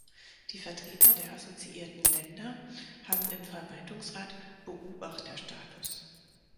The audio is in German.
Die Vertreter der assoziierten Länder haben im Verwaltungsrat Beobachterstatus.